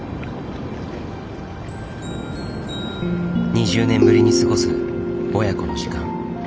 ２０年ぶりに過ごす親子の時間。